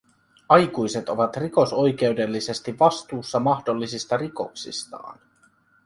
Aikuiset ovat rikosoikeudellisesti vastuussa mahdollisista rikoksistaan.